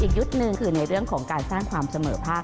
อีกชุดหนึ่งคือในเรื่องของการสร้างความเสมอภาค